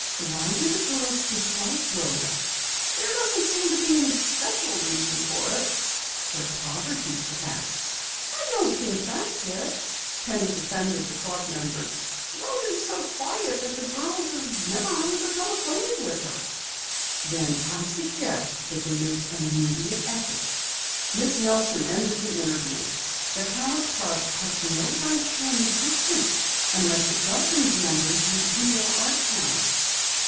"Why do the girls dislike Rhoda?" "There doesn't seem to be any special reason for it." "Her poverty, perhaps?" "I don't think it's that," Penny defended the club members. "Rhoda is so quiet that the girls have never become acquainted with her." "Then I suggest that they make an immediate effort," Miss Nelson ended the interview. "The Palette Club has no right to an existence unless it welcomes members with real art talent."